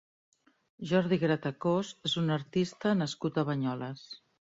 Jordi Gratacós és un artista nascut a Banyoles.